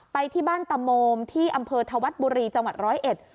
ไปที่บ้านตมมที่อำเภอธวัฒน์บุรีจังหวัด๑๐๑